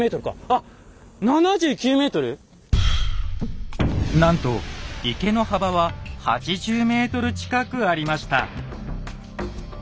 あっなんと池の幅は８０ｍ近くありました。